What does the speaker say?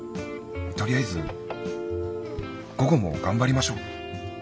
とりあえず午後も頑張りましょう。